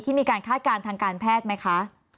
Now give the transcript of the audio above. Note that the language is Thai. มีการคาดการณ์ทางการแพทย์ไหมคะ